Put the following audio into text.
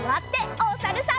おさるさん。